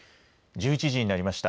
１１時になりました。